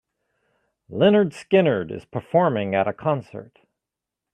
Lynyrd Skynyrd is performing at a concert.